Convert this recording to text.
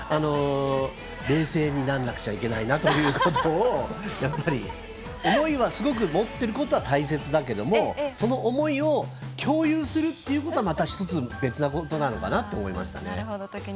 冷静にならなくちゃいけないなということを思いはすごく持ってることは大切だけれどもその思いを共有するっていうことはまた１つ別なことなのかなと思いましたね。